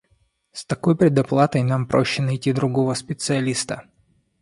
С такой предоплатой нам проще найти другого специалиста.